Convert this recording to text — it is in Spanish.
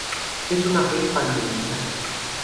Es una fe panteísta.